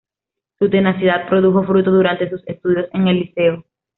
Su tenacidad produjo fruto durante sus estudios en el liceo.